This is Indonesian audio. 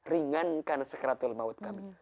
ringankan sekiratul mawad kami